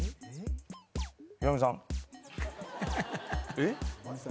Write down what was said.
えっ？